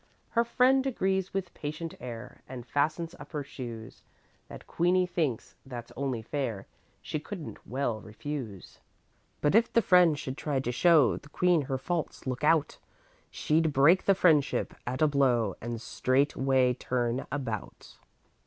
Her friend agrees with patient air And fastens up her shoes. Then queenie thinks: That's only fair, She couldn't well refuse. But if the friend should try to show The queen her faults, look out! She'd break the friendship at a blow And straightway turn about.